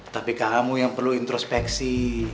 tapi kamu yang perlu introspeksi